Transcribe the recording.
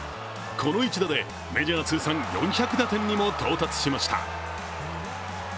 この一打で、メジャー通算４００打点にも到達しました。